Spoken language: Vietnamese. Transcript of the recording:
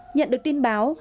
nhận được tin báo